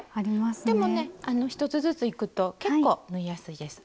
でもね１つずついくと結構縫いやすいです。